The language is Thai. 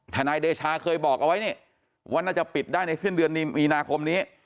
นายเดชาเคยบอกเอาไว้นี่ว่าน่าจะปิดได้ในสิ้นเดือนมีนาคมนี้